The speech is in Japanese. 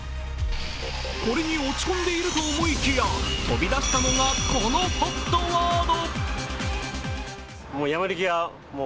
これに落ち込んでいると思いきや、飛び出したのがこのＨＯＴワード。